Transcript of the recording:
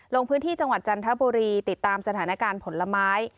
ลงพื้นที่จังหวัดจันทบุรีติดตามสถานการณ์ผลไม้